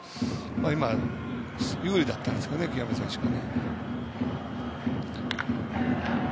今は、有利だったんですが清宮選手が。